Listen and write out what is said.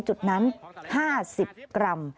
จุดนั้น๕๐กรัม